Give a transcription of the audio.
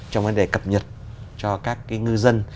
trong vấn đề cập nhật cho các ngư dân